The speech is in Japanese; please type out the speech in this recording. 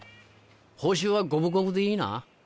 報酬は五分五分でいいな？